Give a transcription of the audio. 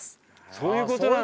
そういうことなんだ。